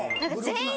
全員？